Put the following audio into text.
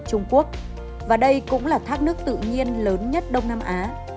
trung quốc và đây cũng là thác nước tự nhiên lớn nhất đông nam á